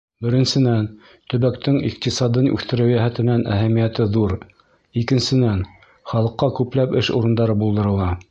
Беренсенән, төбәктең иҡтисадын үҫтереү йәһәтенән әһәмиәте ҙур, икенсенән, халыҡҡа күпләп эш урындары булдырыла.